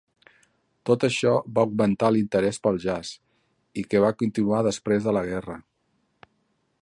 Tot això va augmentar l'interès pel jazz, i que va continuar després de la guerra.